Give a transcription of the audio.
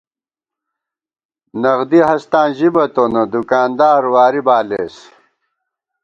نغدی ہستاں ژِبہ تونہ ، دُکاندار واری بالېس